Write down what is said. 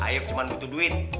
ayah cuma butuh duit